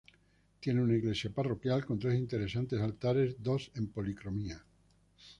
Tiene una Iglesia Parroquial con tres interesantes altares, dos en policromía.